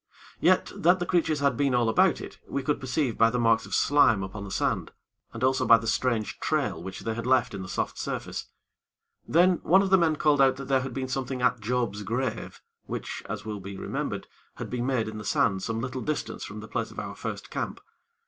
Yet, that the creatures had been all about it, we could perceive by the marks of slime upon the sand, and also by the strange trail which they had left in the soft surface. Then one of the men called out that there had been something at Job's grave, which, as will be remembered, had been made in the sand some little distance from the place of our first camp.